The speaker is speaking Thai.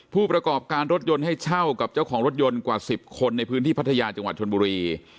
ผู้ประกอบการรถยนต์ให้เช่ากับเจ้าของรถยนต์กว่า๑๐คนในพื้นที่พัทยาจังหวัดชนบุรี